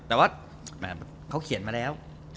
แต่ว่าเขาเขียนมาแล้ว